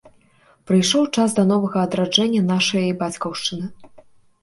Прыйшоў час для новага адраджэння нашай бацькаўшчыны.